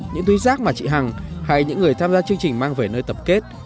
những túi rác mà chị hằng hay những người tham gia chương trình mang về nơi tập kết